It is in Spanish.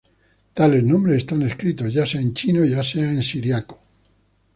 Tales nombres están escritos ya sea en chino o ya sea en siríaco.